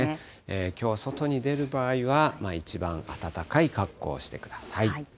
きょうは外に出る場合は、一番暖かい格好をしてください。